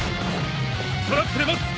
トラップで待つ。